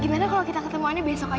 gimana kalau kita ketemuannya besok aja